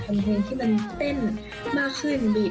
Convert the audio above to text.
เป็นหนูอยากทำเพลงที่